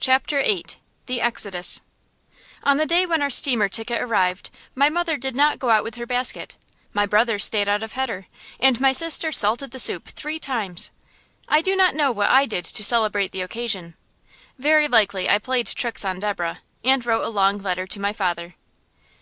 CHAPTER VIII THE EXODUS On the day when our steamer ticket arrived, my mother did not go out with her basket, my brother stayed out of heder, and my sister salted the soup three times. I do not know what I did to celebrate the occasion. Very likely I played tricks on Deborah, and wrote a long letter to my father.